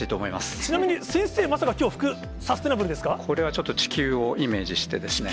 ちなみに、先生、まさか、きょう、服、これはちょっと地球をイメー地球？